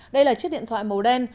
đây là chiếc điện thoại màu đen